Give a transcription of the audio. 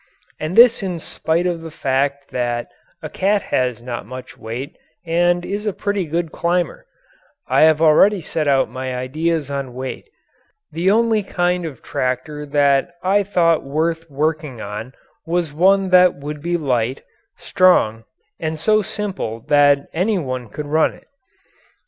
And this in spite of the fact that a cat has not much weight and is a pretty good climber. I have already set out my ideas on weight. The only kind of tractor that I thought worth working on was one that would be light, strong, and so simple that any one could run it.